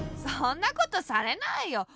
そんなことされないよ。